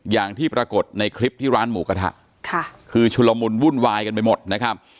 อย่างที่ปรากฏในคลิปที่ร้านหมูกระทะค่ะคือชุลมุนวุ่นวายกันไปหมดนะครับ